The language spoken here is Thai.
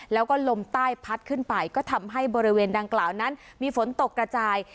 แล้วก็ลมใต้พัดขึ้นไปก็ทำให้บริเวณดังกล่าวนั้นมีฝนตกกระจาย